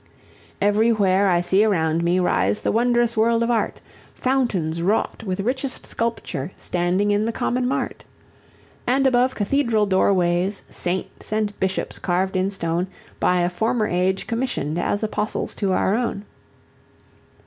Everywhere I see around me rise the wondrous world of art; Fountains wrought with richest sculpture standing in the common mart; And above cathedral doorways saints and bishops carved in stone, By a former age commissioned as apostles to our own.